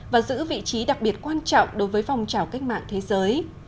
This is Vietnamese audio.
và giữ vị trí đặc biệt quan trọng đối với phong trào cách mạng thế giới